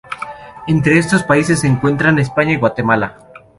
Entre estos países se encuentran España y Guatemala.